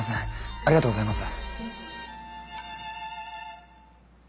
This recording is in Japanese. ありがとうございます。